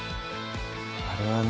あれはね